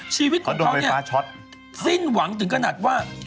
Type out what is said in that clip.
ชีวิตของเขาเนี่ยสิ้นหวังถึงขนาดว่า